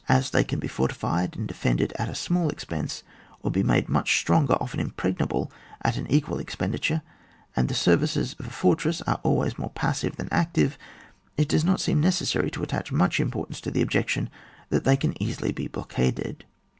As they can be fortified and de fended at a small expense, or be made much stronger, often impregnable, at an equal expenditure, and the services of a fortress are always more passive than active, it does not seem necessary to attach much importance to the objection that they can easily be blockaded.